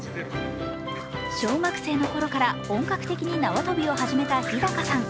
小学生のころから、本格的に縄跳びを始めた日高さん。